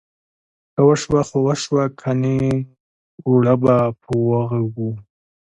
که وسوه خو وسوه ، که نه اوړه به په واغږو.